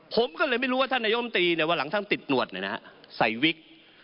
ผมก็เลยไม่รู้ว่าท่านนายมตรีเนี่ยว่าหลังท่านติดหนวดเนี่ยนะใส่วิก